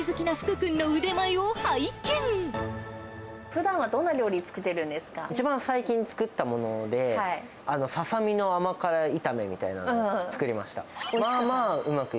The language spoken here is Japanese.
ふだんはどんな料理作ってる一番最近作ったもので、ササミの甘辛炒めみたいなのを作りました。